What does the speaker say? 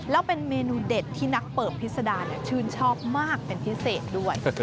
แล้วเป็นเมนูเด็ดที่นักเปิบพิษดาชื่นชอบมากเป็นพิเศษด้วย